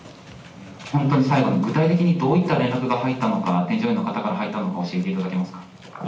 本当に最後に、具体的にどういった連絡が入ったのか、添乗員の方から入ったのか、教えていただけますか？